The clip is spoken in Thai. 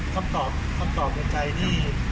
ค้อค้อประตอบในใจ